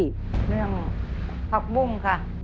เรื่องผักบุ้งค่ะ